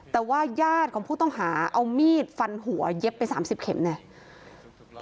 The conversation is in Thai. แต่ว่าญาติของผู้ต้องหาเอามีดฟันหัวเย็บไป๓๐เข็มเนี่ย